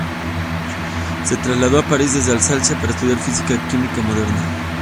Se trasladó a París desde la Alsacia para estudiar física y química modernas.